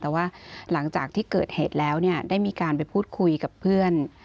แต่ว่าหลังจากที่เกิดเหตุแล้วเนี่ยได้มีการไปพูดคุยกับเพื่อน